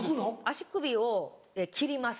足首を切ります。